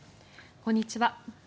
こんにちは。